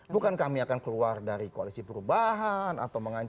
bukan kami akan keluar dari koalisi perubahan atau mengancam